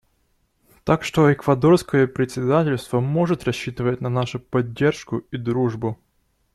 Так что эквадорское председательство может рассчитывать на нашу поддержку и дружбу.